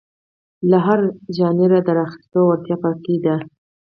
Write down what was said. له هر ژانره د راخیستو وړتیا په کې ده.